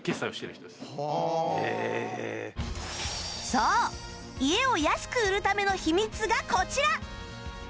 そう家を安く売るための秘密がこちら！